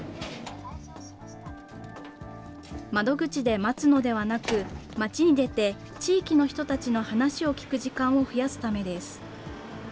窓口で待つのではなく、まちに出て地域の人たちの話を聞く時間を増やすためです。